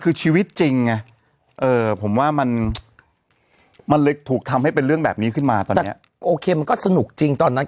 คือชีวิตจริงไงผมว่ามันมันเลยถูกทำให้เป็นเรื่องแบบนี้ขึ้นมาตอนเนี้ยโอเคมันก็สนุกจริงตอนนั้น